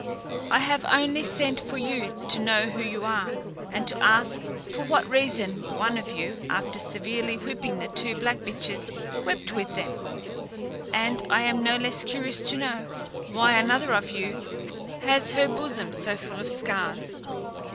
I have only sent for you to know who you are, and to ask for what reason one of you, after severely whipping the two black bitches, wept with them? And I am no less curious to know, why another of you has her bosom so full of scars."